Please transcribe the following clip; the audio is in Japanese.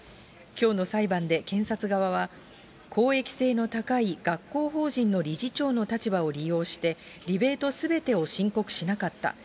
きょうの裁判で検察側は、公益性の高い学校法人の理事長の立場を利用して、リベートすべてを申告しなかった。